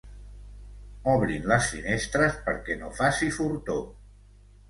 Obrin les finestres perquè no faci fortor.